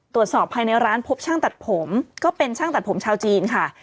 ตรวจสอบภายในร้านพบช่างตัดผมก็เป็นช่างตัดผมชาวจีนค่ะ